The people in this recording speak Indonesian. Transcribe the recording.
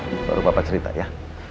baru papa cerita ya